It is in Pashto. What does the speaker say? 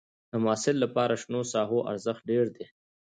د محصل لپاره شنو ساحو ارزښت ډېر دی.